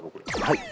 はい。